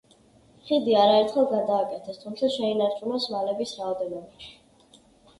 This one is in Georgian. ხიდი არაერთხელ გადააკეთეს, თუმცა შეინარჩუნეს მალების რაოდენობა.